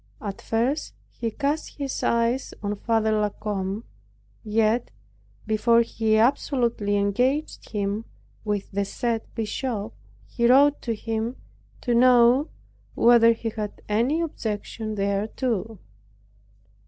At first he cast his eyes on Father La Combe; yet before he absolutely engaged him with the said bishop, he wrote to him, to know whether he had any objection thereto.